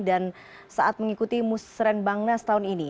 dan saat mengikuti musrembangnas tahun ini